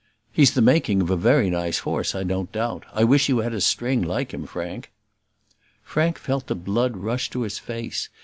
"He's the making of a very nice horse, I don't doubt. I wish you had a string like him, Frank." Frank felt the blood rush to his face.